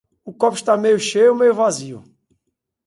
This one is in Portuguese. O copo está meio cheio ou meio vazio?